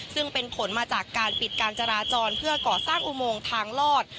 ซึ่งเป็นผลมาจากการปิดการจราจรเพื่อก่อสร้างอุโมงทางลอด